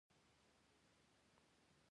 د زابل په شهر صفا کې د سمنټو مواد شته.